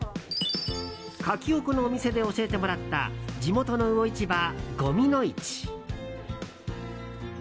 カキオコのお店で教えてもらった地元の魚市場、五味の市。